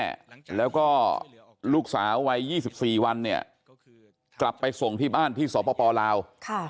เดี๋ยวสามารถจะพาแม่แล้วก็ลูกสาวไว้๒๔วันกลับไปส่งที่บ้านที่สปลาวน์